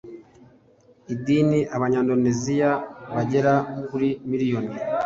Idini Abanyandoneziya bagera kuri miliyoni